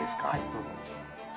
どうぞ。